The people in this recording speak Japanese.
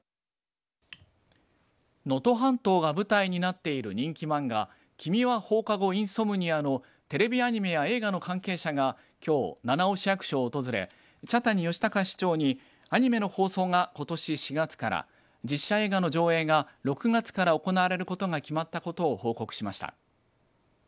能登半島が舞台になっている人気漫画君は放課後インソムニアのテレビアニメや映画の関係者がきょう七尾市役所を訪れ茶谷義隆市長にアニメの放送がことし４月から実写映画の上映が６月から行われることが決まったことを報告しました。